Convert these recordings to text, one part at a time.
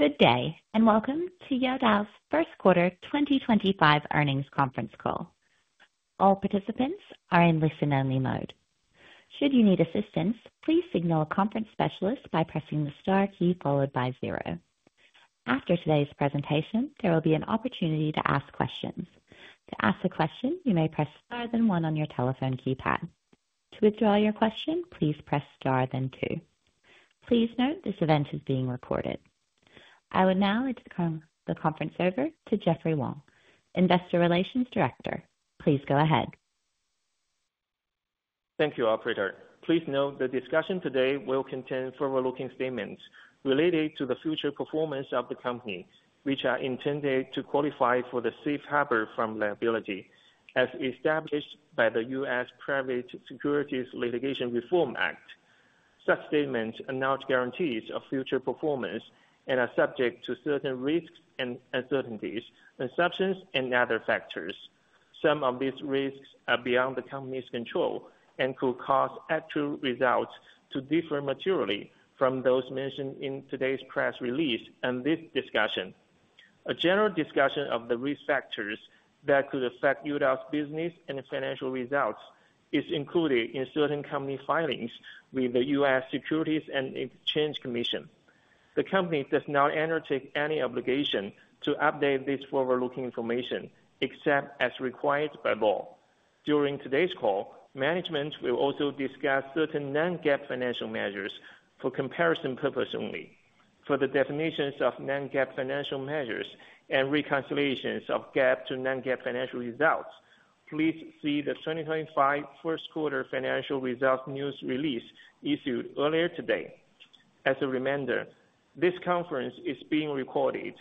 Good day, and welcome to Youdao's first quarter 2025 earnings conference call. All participants are in listen-only mode. Should you need assistance, please signal a conference specialist by pressing the star key followed by zero. After today's presentation, there will be an opportunity to ask questions. To ask a question, you may press star then one on your telephone keypad. To withdraw your question, please press star then two. Please note this event is being recorded. I will now leave the conference over to Jeffrey Wang, Investor Relations Director. Please go ahead. Thank you, Operator. Please note the discussion today will contain forward-looking statements related to the future performance of the company, which are intended to qualify for the safe harbor from liability, as established by the U.S. Private Securities Litigation Reform Act. Such statements are not guarantees of future performance and are subject to certain risks and uncertainties, inceptions, and other factors. Some of these risks are beyond the company's control and could cause actual results to differ materially from those mentioned in today's press release and this discussion. A general discussion of the risk factors that could affect Youdao's business and financial results is included in certain company filings with the U.S. Securities and Exchange Commission. The company does not undertake any obligation to update this forward-looking information except as required by law. During today's call, management will also discuss certain non-GAAP financial measures for comparison purposes only. For the definitions of non-GAAP financial measures and reconciliations of GAAP to non-GAAP financial results, please see the 2025 first quarter financial results news release issued earlier today. As a reminder, this conference is being recorded.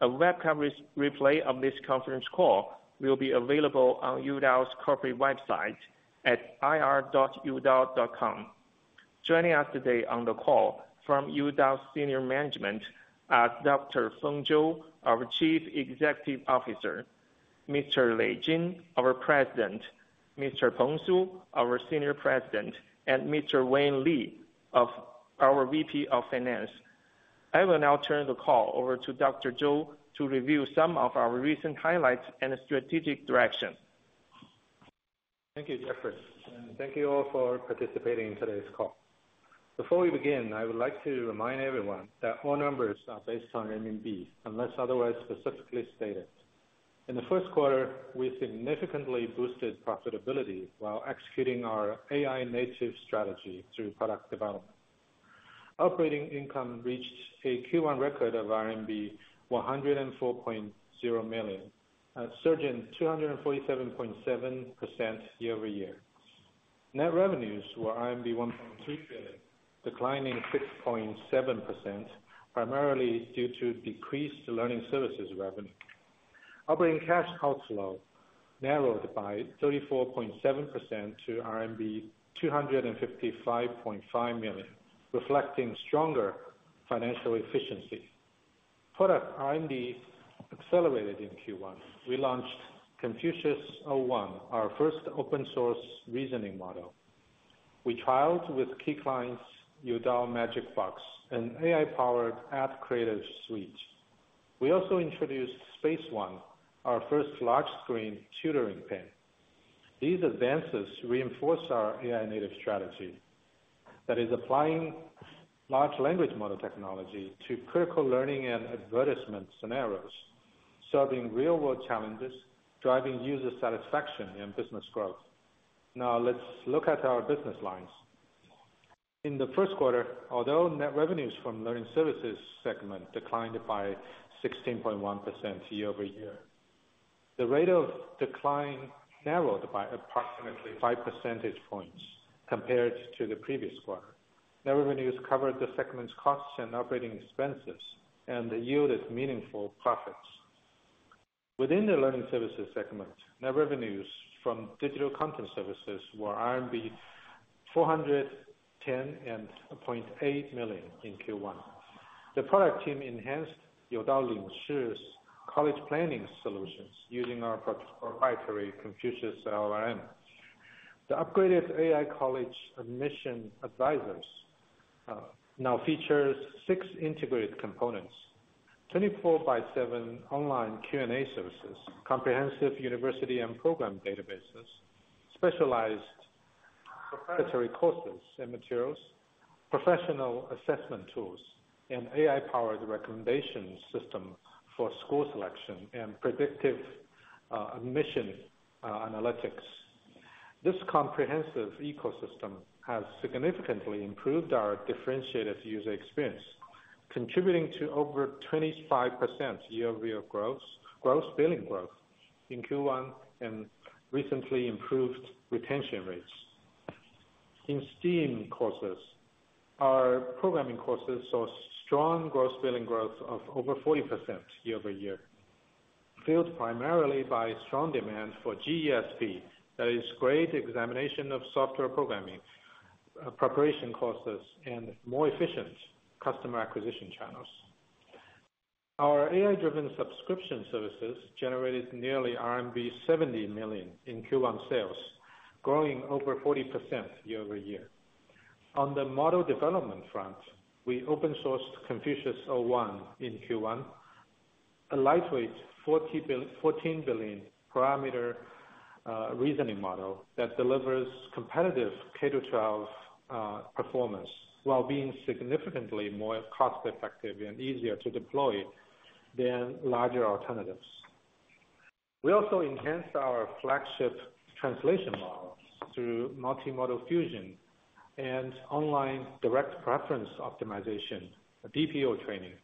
A web coverage replay of this conference call will be available on Youdao's corporate website at ir.youdao.com. Joining us today on the call from Youdao's senior management are Dr. Feng Zhou, our Chief Executive Officer, Mr. Lei Jin, our President, Mr. Peng Su, our Senior President, and Mr. Wei Li, our VP of Finance. I will now turn the call over to Dr. Zhou to review some of our recent highlights and strategic direction. Thank you, Jeffrey. Thank you all for participating in today's call. Before we begin, I would like to remind everyone that all numbers are based on RMB unless otherwise specifically stated. In the first quarter, we significantly boosted profitability while executing our AI-native strategy through product development. Operating income reached a Q1 record of RMB 104.0 million, a surge of 247.7% year-over-year. Net revenues were 1.3 billion, declining 6.7%, primarily due to decreased learning services revenue. Operating cash outflow narrowed by 34.7% to RMB 255.5 million, reflecting stronger financial efficiency. Product R&D accelerated in Q1. We launched Confucius 01, our first open-source reasoning model. We trialed with key clients Youdao Magic Box, an AI-powered app creator suite. We also introduced Space One, our first large-screen tutoring pen. These advances reinforce our AI-native strategy that is applying large language model technology to critical learning and advertisement scenarios, solving real-world challenges, driving user satisfaction, and business growth. Now, let's look at our business lines. In the first quarter, although net revenues from the learning services segment declined by 16.1% year-over-year, the rate of decline narrowed by approximately 5 percentage points compared to the previous quarter. Net revenues covered the segment's costs and operating expenses, and they yielded meaningful profits. Within the learning services segment, net revenues from digital content services were RMB 410.8 million in Q1. The product team enhanced Youdao Ling Shi's college planning solutions using our proprietary Confucius LRM. The upgraded AI college admission advisers now feature six integrated components: 24x7 online Q&A services, comprehensive university and program databases, specialized proprietary courses and materials, professional assessment tools, and AI-powered recommendation system for school selection and predictive admission analytics. This comprehensive ecosystem has significantly improved our differentiated user experience, contributing to over 25% year-over-year growth, gross billing growth in Q1, and recently improved retention rates. In STEAM courses, our programming courses saw strong gross billing growth of over 40% year-over-year, fueled primarily by strong demand for GESP, that is, grade examination of software programming preparation courses and more efficient customer acquisition channels. Our AI-driven subscription services generated nearly RMB 70 million in Q1 sales, growing over 40% year-over-year. On the model development front, we open-sourced Confucius 01 in Q1, a lightweight 14-billion-parameter reasoning model that delivers competitive K-12 performance while being significantly more cost-effective and easier to deploy than larger alternatives. We also enhanced our flagship translation model through multimodal fusion and online direct preference optimization, DPO training,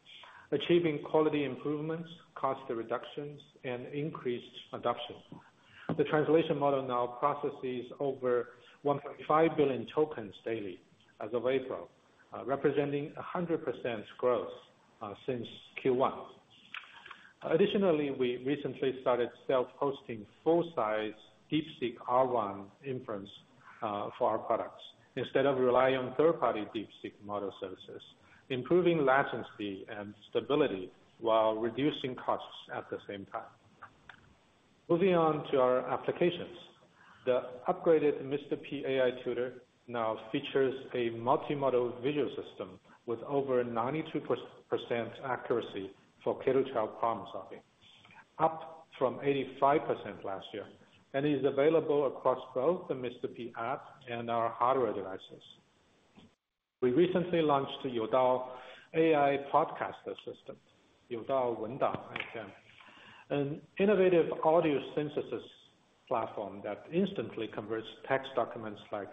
achieving quality improvements, cost reductions, and increased adoption. The translation model now processes over 1.5 billion tokens daily as of April, representing 100% growth since Q1. Additionally, we recently started self-hosting full-size DeepSeek R1 inference for our products instead of relying on third-party DeepSeek model services, improving latency and stability while reducing costs at the same time. Moving on to our applications, the upgraded Mr. P AI Tutor now features a multimodal visual system with over 92% accuracy for K-12 problem-solving, up from 85% last year, and is available across both the Mr. P app and our hardware devices. We recently launched Youdao AI Podcast Assistant, Youdao Wendao, an innovative audio synthesis platform that instantly converts text documents like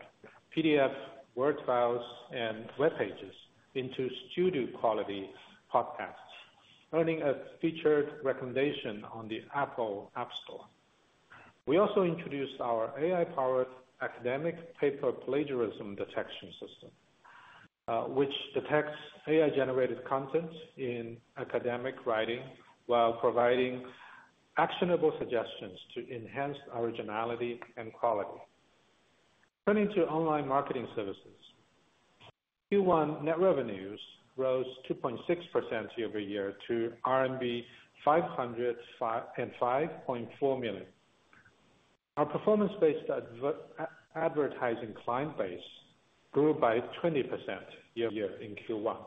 PDF, Word files, and web pages into studio-quality podcasts, earning a featured recommendation on the Apple App Store. We also introduced our AI-powered academic paper plagiarism detection system, which detects AI-generated content in academic writing while providing actionable suggestions to enhance originality and quality. Turning to online marketing services, Q1 net revenues rose 2.6% year-over-year to RMB 505.4 million. Our performance-based advertising client base grew by 20% year-over-year in Q1,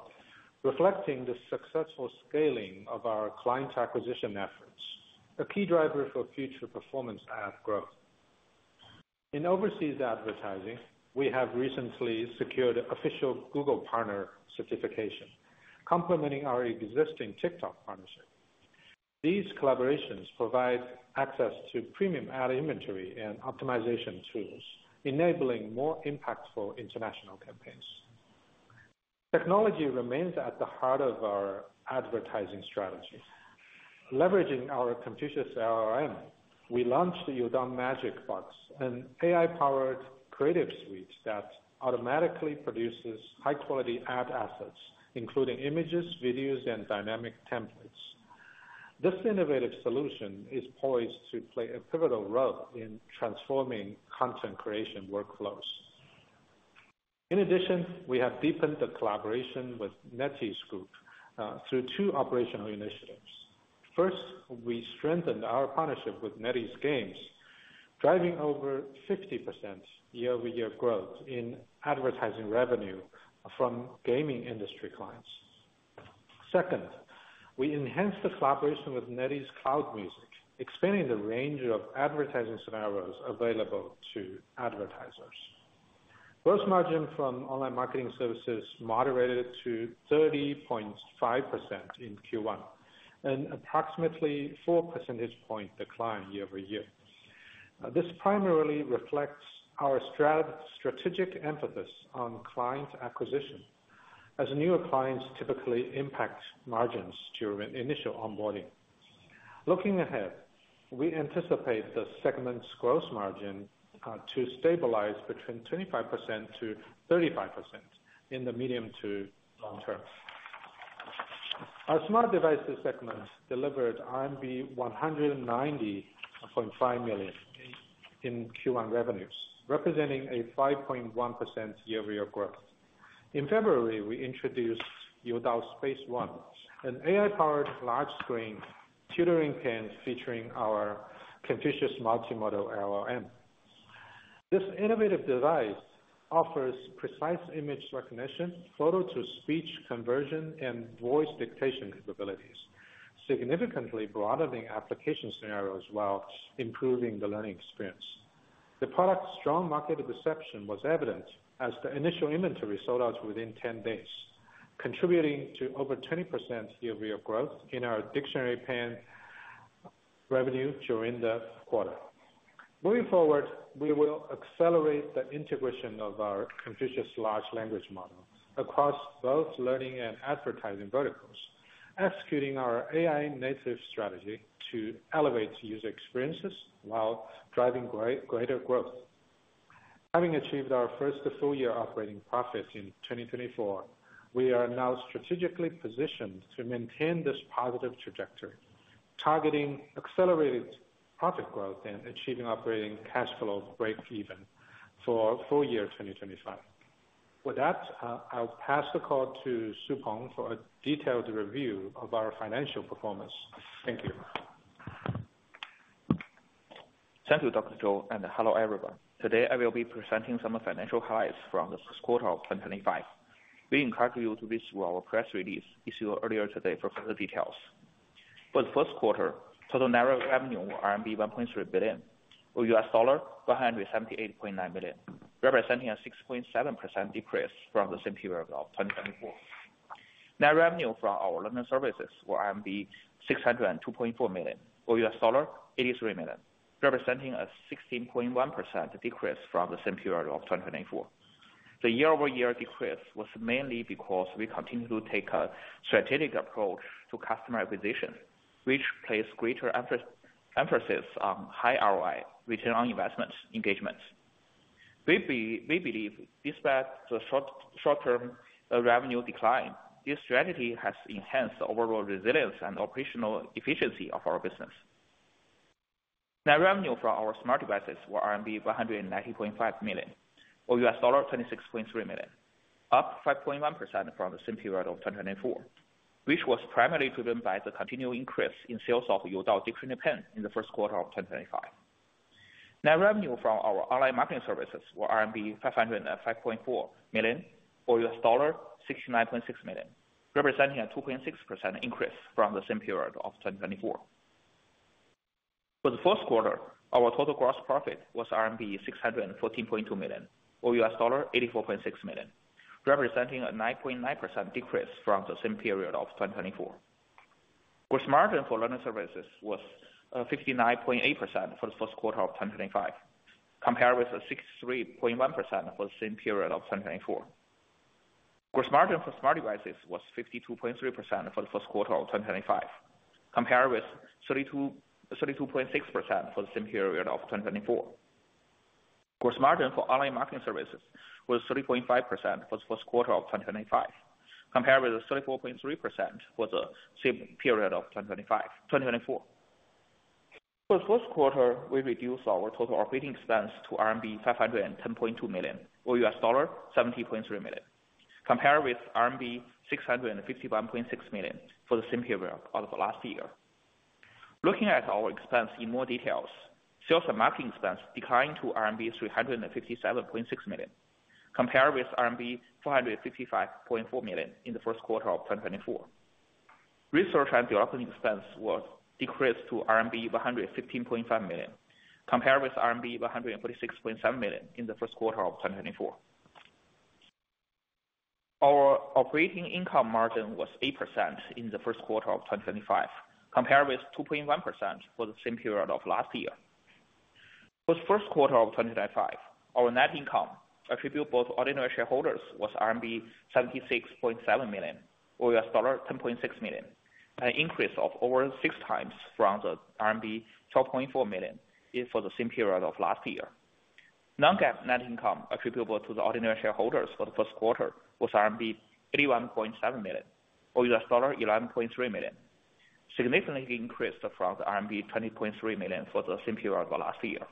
reflecting the successful scaling of our client acquisition efforts, a key driver for future performance app growth. In overseas advertising, we have recently secured official Google Partner certification, complementing our existing TikTok partnership. These collaborations provide access to premium ad inventory and optimization tools, enabling more impactful international campaigns. Technology remains at the heart of our advertising strategy. Leveraging our Confucius LRM, we launched Youdao Magic Box, an AI-powered creative suite that automatically produces high-quality ad assets, including images, videos, and dynamic templates. This innovative solution is poised to play a pivotal role in transforming content creation workflows. In addition, we have deepened the collaboration with NetEase Group through two operational initiatives. First, we strengthened our partnership with NetEase Games, driving over 50% year-over-year growth in advertising revenue from gaming industry clients. Second, we enhanced the collaboration with NetEase Cloud Music, expanding the range of advertising scenarios available to advertisers. Gross margin from online marketing services moderated to 30.5% in Q1, an approximately 4 percentage point decline year-over-year. This primarily reflects our strategic emphasis on client acquisition, as newer clients typically impact margins during initial onboarding. Looking ahead, we anticipate the segment's gross margin to stabilize between 25%-35% in the medium to long term. Our smart devices segment delivered RMB 190.5 million in Q1 revenues, representing a 5.1% year-over-year growth. In February, we introduced Youdao Space One, an AI-powered large-screen tutoring pen featuring our Confucius multimodal LLM. This innovative device offers precise image recognition, photo to speech conversion, and voice dictation capabilities, significantly broadening application scenarios while improving the learning experience. The product's strong market perception was evident as the initial inventory sold out within 10 days, contributing to over 20% year-over-year growth in our dictionary pen revenue during the quarter. Moving forward, we will accelerate the integration of our Confucius large language model across both learning and advertising verticals, executing our AI-native strategy to elevate user experiences while driving greater growth. Having achieved our first full-year operating profits in 2024, we are now strategically positioned to maintain this positive trajectory, targeting accelerated profit growth and achieving operating cash flow break-even for full year 2025. With that, I'll pass the call to Su Peng for a detailed review of our financial performance. Thank you. Thank you, Dr. Zhou, and hello everyone. Today, I will be presenting some financial highlights from the first quarter of 2025. We encourage you to visit our press release issued earlier today for further details. For the first quarter, total net revenue was RMB 1.3 billion, or $178.9 million, representing a 6.7% decrease from the same period of 2024. Net revenue from our learning services was 602.4 million, or $83 million, representing a 16.1% decrease from the same period of 2024. The year-over-year decrease was mainly because we continue to take a strategic approach to customer acquisition, which places greater emphasis on high ROI, return on investment engagement. We believe despite the short-term revenue decline, this strategy has enhanced the overall resilience and operational efficiency of our business. Net revenue from our smart devices was RMB 190.5 million, or $26.3 million, up 5.1% from the same period of 2024, which was primarily driven by the continued increase in sales of Youdao Dictionary Pen in the first quarter of 2025. Net revenue from our online marketing services was RMB 505.4 million, or $69.6 million, representing a 2.6% increase from the same period of 2024. For the fourth quarter, our total gross profit was RMB 614.2 million, or $84.6 million, representing a 9.9% decrease from the same period of 2024. Gross margin for learning services was 59.8% for the first quarter of 2025, compared with 63.1% for the same period of 2024. Gross margin for smart devices was 52.3% for the first quarter of 2025, compared with 32.6% for the same period of 2024. Gross margin for online marketing services was 3.5% for the first quarter of 2025, compared with 34.3% for the same period of 2024. For the first quarter, we reduced our total operating expense to RMB 510.2 million, or $70.3 million, compared with RMB 651.6 million for the same period of the last year. Looking at our expense in more detail, sales and marketing expense declined to RMB 357.6 million, compared with RMB 455.4 million in the first quarter of 2024. Research and development expense was decreased to RMB 115.5 million, compared with RMB 146.7 million in the first quarter of 2024. Our operating income margin was 8% in the first quarter of 2025, compared with 2.1% for the same period of last year. For the first quarter of 2025, our net income attributable to ordinary shareholders was RMB 76.7 million, or $10.6 million, an increase of over six times from the RMB 12.4 million for the same period of last year. Non-GAAP net income attributable to the ordinary shareholders for the first quarter was RMB 81.7 million, or $11.3 million, significantly increased from the RMB 20.3 million for the same period of last year.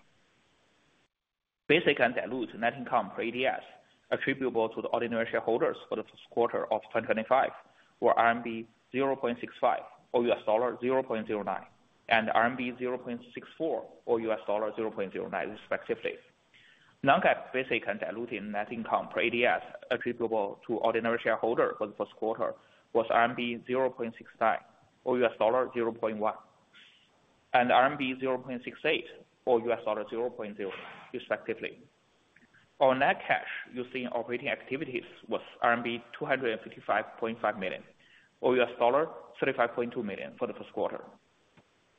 Basic and diluted net income per ADS attributable to the ordinary shareholders for the first quarter of 2025 were RMB 0.65, or $0.09, and RMB 0.64, or $0.09, respectively. Non-GAAP basic and diluted net income per ADS attributable to ordinary shareholders for the first quarter was RMB 0.69, or $0.10, and RMB 0.68, or $0.09, respectively. Our net cash used in operating activities was RMB 255.5 million, or $35.2 million for the first quarter.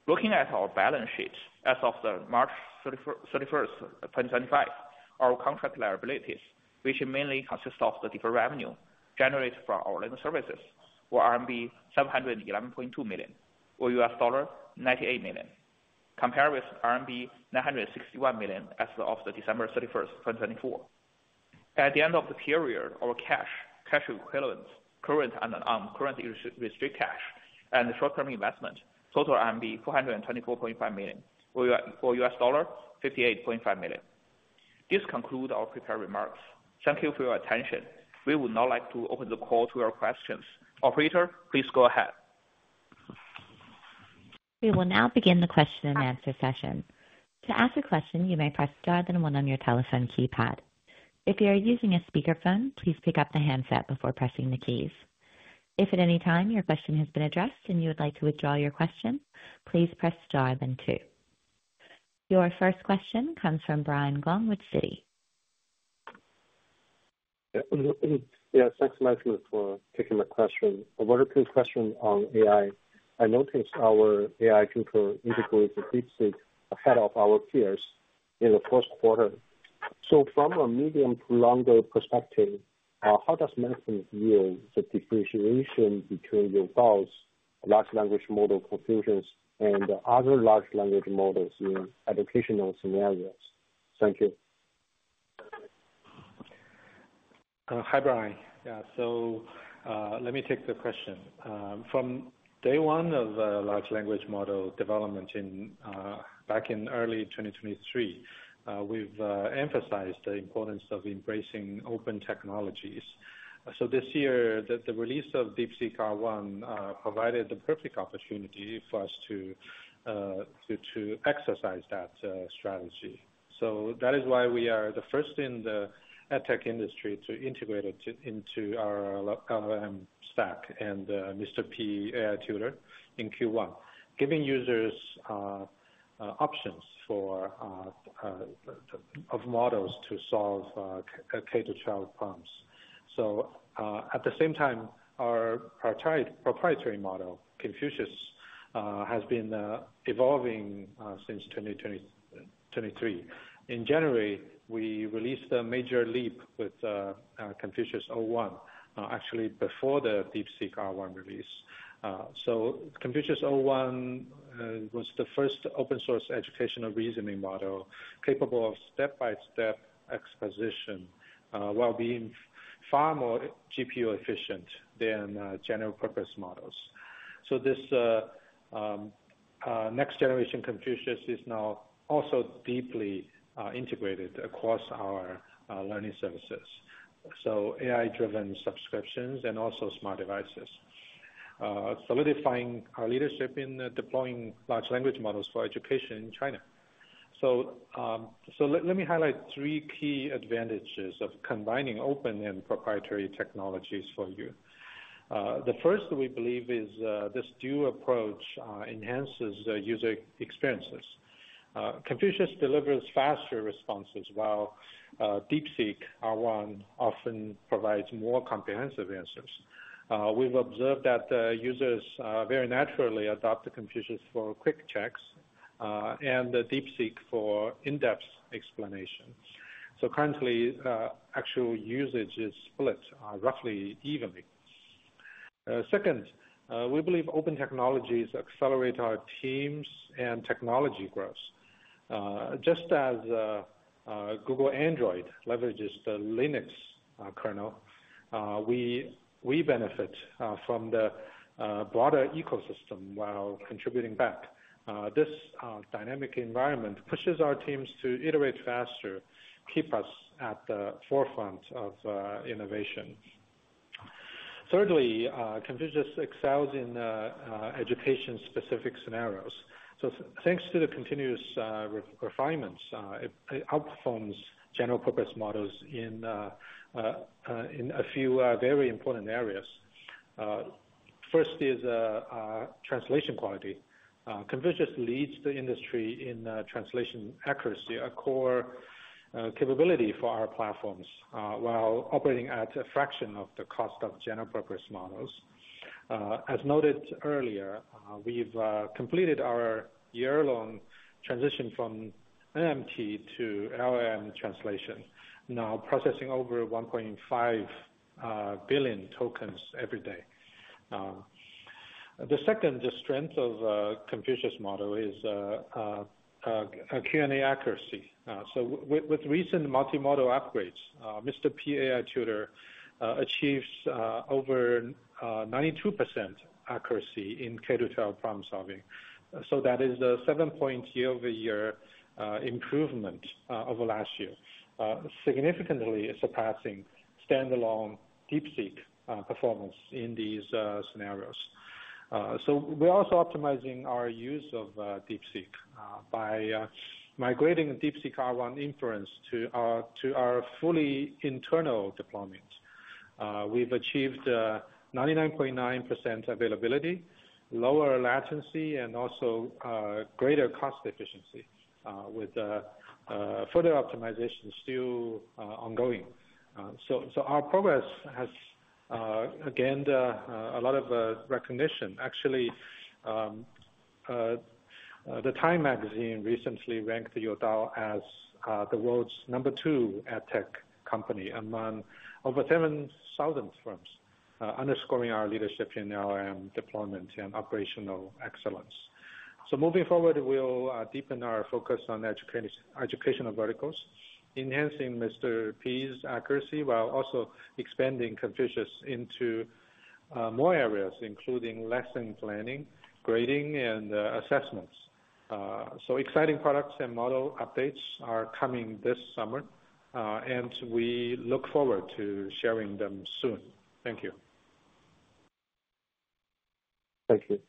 Looking at our balance sheet as of March 31st, 2025, our contract liabilities, which mainly consist of the different revenue generated from our learning services, were RMB 711.2 million, or $98 million, compared with RMB 961 million as of December 31st, 2024. At the end of the period, our cash, cash equivalents, current and non-currently received cash, and short-term investment totaled RMB 424.5 million, or $58.5 million. This concludes our prepared remarks. Thank you for your attention. We would now like to open the call to your questions. Operator, please go ahead. We will now begin the question and answer session. To ask a question, you may press star then one on your telephone keypad. If you are using a speakerphone, please pick up the handset before pressing the keys. If at any time your question has been addressed and you would like to withdraw your question, please press star then two. Your first question comes from Brian Gong with Citigroup. Yeah, thanks for taking the question. A very good question on AI. I noticed our AI tutor integrated DeepSeek ahead of our peers in the first quarter. From a medium to long-term perspective, how does management view the differentiation between Youdao's large language model conclusions and other large language models in educational scenarios? Thank you. Hi, Brian. Yeah, so let me take the question. From day one of large language model development back in early 2023, we've emphasized the importance of embracing open technologies. This year, the release of DeepSeek R1 provided the perfect opportunity for us to exercise that strategy. That is why we are the first in the edtech industry to integrate it into our LLM stack and Mr. P AI Tutor in Q1, giving users options of models to solve K-12 problems. At the same time, our proprietary model, Confucius, has been evolving since 2023. In January, we released a major leap with Confucius 01, actually before the DeepSeek R1 release. Confucius 01 was the first open-source educational reasoning model capable of step-by-step exposition while being far more GPU efficient than general-purpose models. This next-generation Confucius is now also deeply integrated across our learning services, so AI-driven subscriptions and also smart devices, solidifying our leadership in deploying large language models for education in China. Let me highlight three key advantages of combining open and proprietary technologies for you. The first, we believe, is this dual approach enhances user experiences. Confucius delivers faster responses while DeepSeek R1 often provides more comprehensive answers. We've observed that users very naturally adopt the Confucius for quick checks and the DeepSeek for in-depth explanation. Currently, actual usage is split roughly evenly. Second, we believe open technologies accelerate our teams and technology growth. Just as Google Android leverages the Linux kernel, we benefit from the broader ecosystem while contributing back. This dynamic environment pushes our teams to iterate faster, keep us at the forefront of innovation. Thirdly, Confucius excels in education-specific scenarios. Thanks to the continuous refinements, it outperforms general-purpose models in a few very important areas. First is translation quality. Confucius leads the industry in translation accuracy, a core capability for our platforms, while operating at a fraction of the cost of general-purpose models. As noted earlier, we've completed our year-long transition from NMT to LLM translation, now processing over 1.5 billion tokens every day. The second strength of the Confucius model is Q&A accuracy. With recent multimodal upgrades, Mr. P AI Tutor achieves over 92% accuracy in K-12 problem-solving. That is a seven-point year-over-year improvement over last year, significantly surpassing standalone DeepSeek performance in these scenarios. We are also optimizing our use of DeepSeek by migrating DeepSeek R1 inference to our fully internal deployment. We've achieved 99.9% availability, lower latency, and also greater cost efficiency with further optimization still ongoing. Our progress has gained a lot of recognition. Actually, Time Magazine recently ranked Youdao as the world's number two edtech company among over 7,000 firms, underscoring our leadership in LLM deployment and operational excellence. Moving forward, we'll deepen our focus on educational verticals, enhancing Mr. P's accuracy while also expanding Confucius into more areas, including lesson planning, grading, and assessments. Exciting products and model updates are coming this summer, and we look forward to sharing them soon. Thank you. Thank you.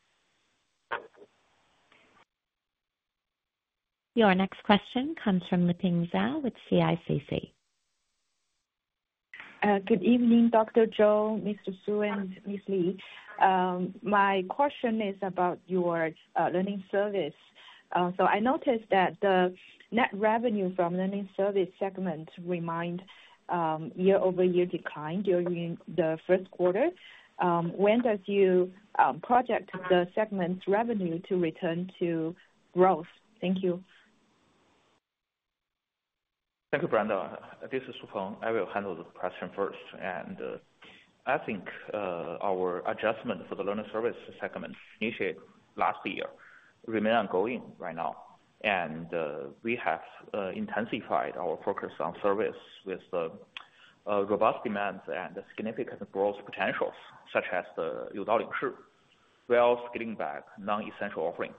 Your next question comes from Liping Zhao with CICC. Good evening, Dr. Zhou, Mr. Su, and Ms. Li. My question is about your learning service. I noticed that the net revenue from learning service segments remained year-over-year declined during the first quarter. When does you project the segment's revenue to return to growth? Thank you. Thank you, Brenda. This is Peng Su. I will handle the question first. I think our adjustment for the learning service segment initiated last year remains ongoing right now. We have intensified our focus on service with the robust demands and significant growth potentials, such as the Youdao Group while scaling back non-essential offering.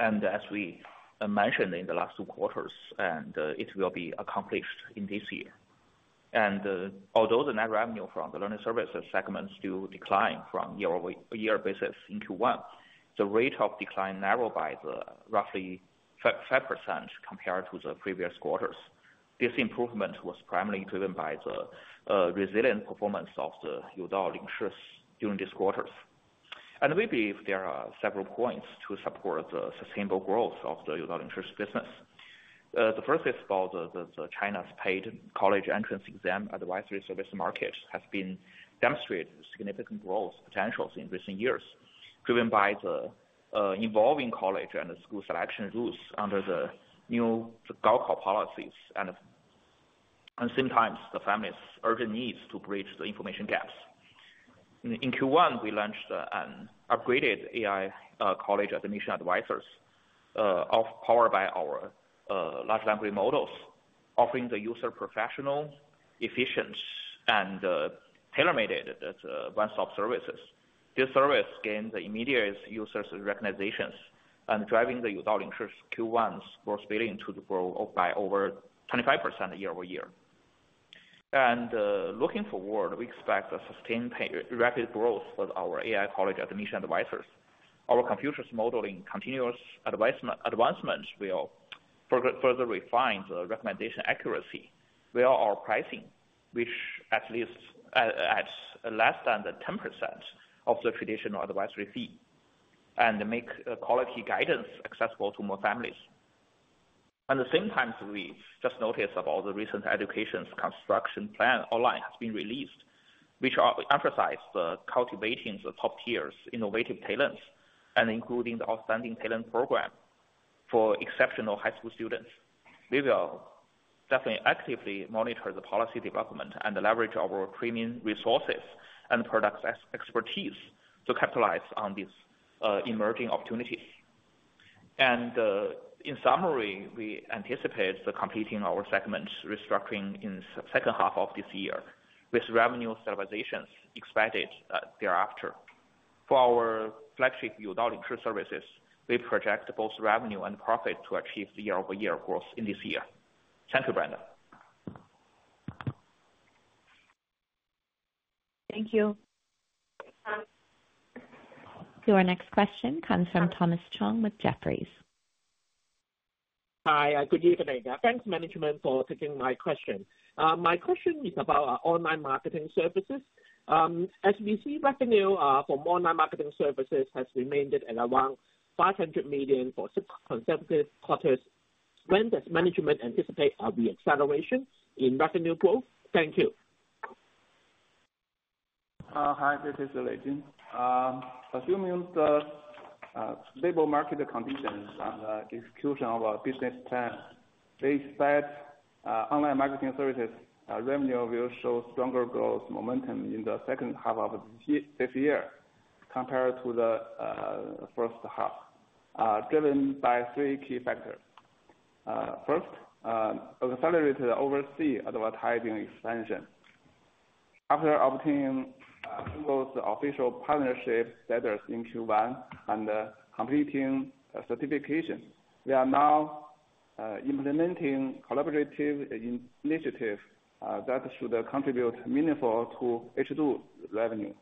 As we mentioned in the last two quarters, it will be accomplished in this year. Although the net revenue from the learning service segment still declined from year-over-year basis in Q1, the rate of decline narrowed by roughly 5% compared to the previous quarters. This improvement was primarily driven by the resilient performance of the Youdao Ling Shi during this quarter. We believe there are several points to support the sustainable growth of the Youdao Ling Shi business. The first is about China's paid college entrance exam advisory service market has been demonstrating significant growth potentials in recent years, driven by the evolving college and school selection rules under the new Gaokao policies, and at the same time, the family's urgent needs to bridge the information gaps. In Q1, we launched an upgraded AI college admission advisers powered by our large language models, offering the user professional, efficient, and tailor-made one-stop services. This service gained the immediate users' recognition and driving the Youdao Ling Shi Q1's gross billing to grow by over 25% year-over-year. Looking forward, we expect a sustained rapid growth for our AI college admission advisers. Our Confucius modeling continuous advancements will further refine the recommendation accuracy while our pricing, which at least adds less than 10% of the traditional advisory fee, makes quality guidance accessible to more families. At the same time, we just noticed about the recent education construction plan online has been released, which emphasizes cultivating the top tier's innovative talents and including the outstanding talent program for exceptional high school students. We will definitely actively monitor the policy development and leverage our premium resources and product expertise to capitalize on these emerging opportunities. In summary, we anticipate completing our segment restructuring in the second half of this year, with revenue stabilizations expected thereafter. For our flagship Youdao Ling Shi services, we project both revenue and profit to achieve year-over-year growth in this year. Thank you, Brenda. Thank you. To our next question comes from Thomas Chong with Jefferies. Hi, good evening. Thanks, Management, for taking my question. My question is about online marketing services. As we see revenue from online marketing services has remained at around 500 million for six consecutive quarters, when does Management anticipate a reacceleration in revenue growth? Thank you. Hi, this is Lei Jin. Assuming the stable market conditions and the execution of our business plan, they expect online marketing services revenue will show stronger growth momentum in the second half of this year compared to the first half, driven by three key factors. First, accelerated overseas advertising expansion. After obtaining Google's official partnership status in Q1 and completing certification, we are now implementing collaborative initiatives that should contribute meaningfully to H2 revenue.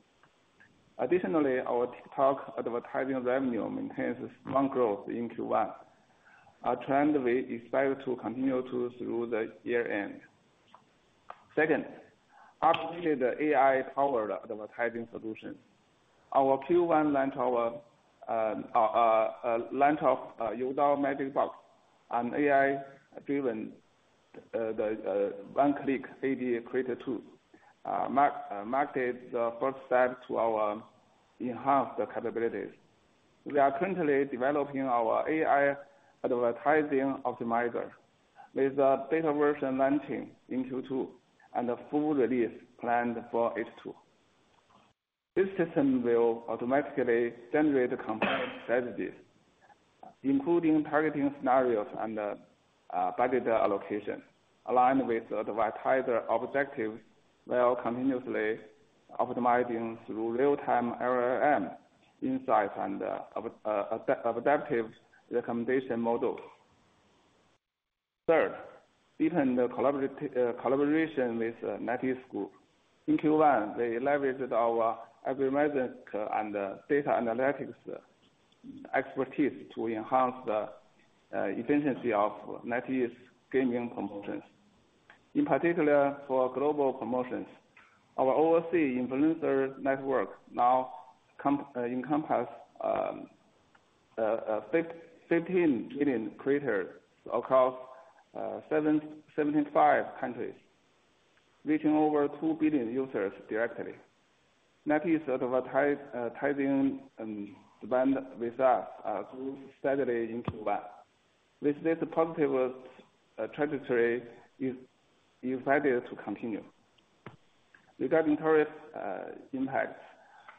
Additionally, our TikTok advertising revenue maintains strong growth in Q1, a trend we expect to continue through the year-end. Second, updated AI-powered advertising solutions. Our Q1 launch of Youdao Magic Box and AI-driven One-Click AD Creator two marked the first step to our enhanced capabilities. We are currently developing our AI advertising optimizer with a beta version launching in Q2 and a full release planned for H2. This system will automatically generate compliance strategies, including targeting scenarios and budget allocation, aligned with advertiser objectives while continuously optimizing through real-time LLM insights and adaptive recommendation models. Third, deepened collaboration with NetEase Group. In Q1, they leveraged our aggregation and data analytics expertise to enhance the efficiency of NetEase gaming promotions. In particular, for global promotions, our oversea influencer network now encompasses 15 million creators across 75 countries, reaching over 2 billion users directly. NetEase advertising bandwidth with us grew steadily in Q1. With this positive trajectory, it is expected to continue. Regarding tariff impacts,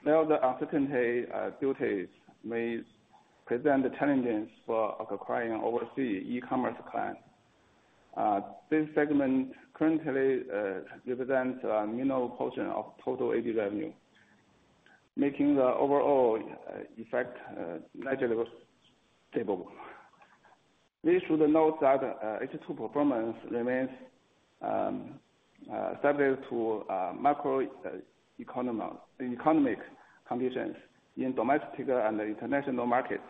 now the uncertainty duties may present challenges for acquiring oversea e-commerce clients. This segment currently represents a minor portion of total ad revenue, making the overall effect negatively stable. We should note that H2 performance remains subject to macroeconomic conditions in domestic and international markets,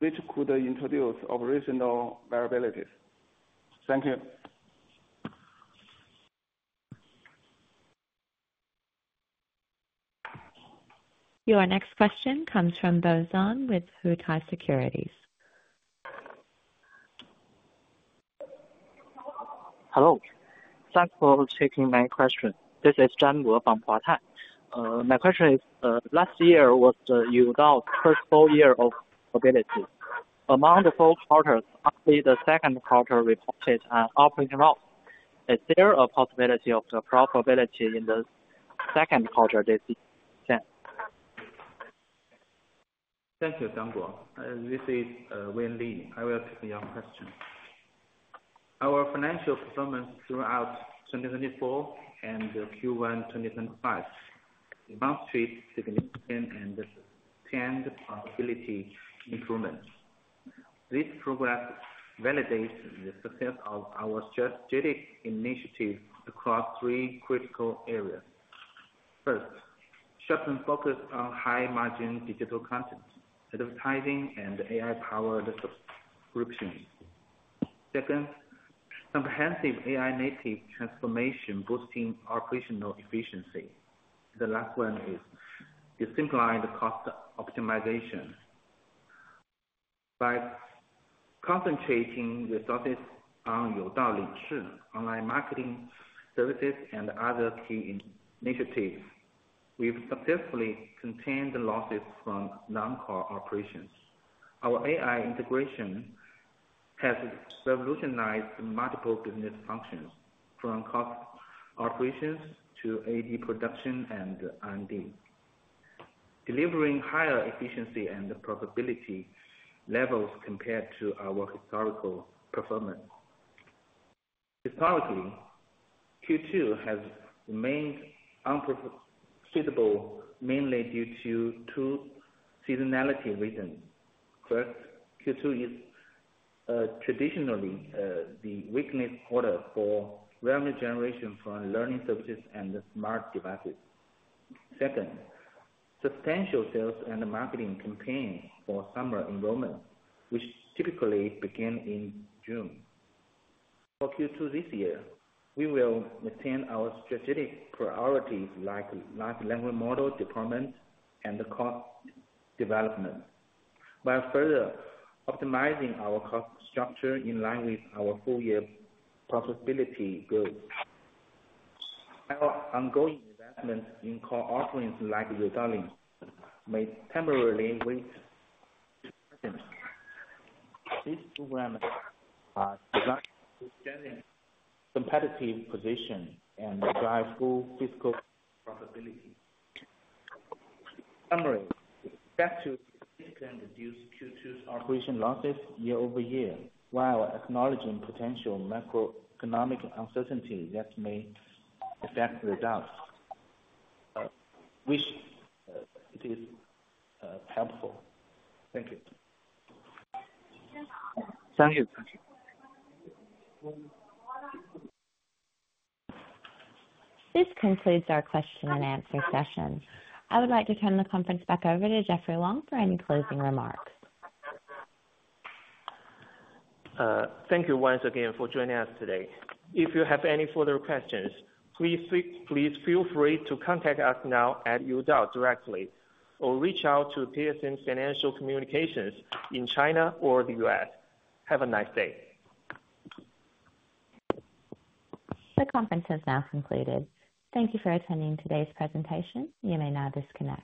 which could introduce operational variabilities. Thank you. Your next question comes from Bo Zong with Huatai Securities. Hello. Thanks for taking my question. This is Zhang Yu of Huatai. My question is, last year was Youdao's first full year of profitability. Among the four quarters, only the second quarter reported a downward drop. Is there a possibility of profitability in the second quarter this year? Thank you, Zhang Yu. This is Wayne Li. I will take your question. Our financial performance throughout 2024 and Q1 2025 demonstrates significant and sustained possibility improvements. This program validates the success of our strategic initiative across three critical areas. First, sharpen focus on high-margin digital content advertising and AI-powered subscriptions. Second, comprehensive AI-native transformation boosting operational efficiency. The last one is to simplify the cost optimization. By concentrating resources on Youdao Ling Shi, online marketing services, and other key initiatives, we've successfully contained the losses from non-core operations. Our AI integration has revolutionized multiple business functions, from cost operations to ad production and R&D, delivering higher efficiency and profitability levels compared to our historical performance. Historically, Q2 has remained unprofitable mainly due to two seasonality reasons. First, Q2 is traditionally the weakest quarter for revenue generation from learning services and smart devices. Second, substantial sales and marketing campaigns for summer enrollment, which typically begin in June. For Q2 this year, we will maintain our strategic priorities like large language model deployment and cost development by further optimizing our cost structure in line with our full-year profitability goals. Our ongoing investments in core offerings like Youdao Ling Shi may temporarily wait to present. This program is designed to stand in a competitive position and drive full fiscal profitability. In summary, we expect to significantly reduce Q2's operation losses year-over-year while acknowledging potential macroeconomic uncertainty that may affect results, which is helpful. Thank you. Thank you. This concludes our question-and-answer session. I would like to turn the conference back over to Jeffrey Wang for any closing remarks. Thank you once again for joining us today. If you have any further questions, please feel free to contact us now at Youdao directly or reach out to Pearson Financial Communications in China or the U.S. Have a nice day. The conference has now concluded. Thank you for attending today's presentation. You may now disconnect.